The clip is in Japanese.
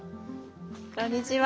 こんにちは。